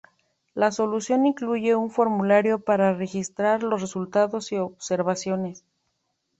La solución incluye un formulario para registrar los resultados y observaciones.